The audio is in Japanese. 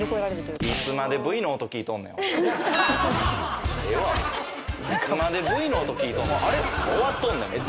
いつまでＶの音聞いとんねん。